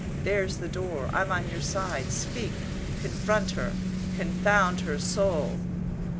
There's the door! I'm on your side. Speak! Confront her, confound her soul!